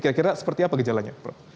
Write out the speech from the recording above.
kira kira seperti apa gejalanya prof